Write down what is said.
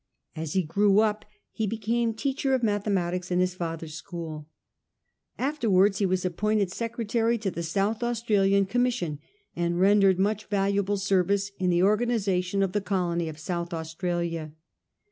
As he grew up he became teacher of ma thematics in his father's school. Afterwards he was appointed secretary to the South Australian Commis sion, and rendered much valuable service in the orga nisation of the colony of South Australia.